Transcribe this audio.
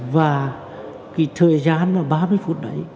và cái thời gian là ba mươi phút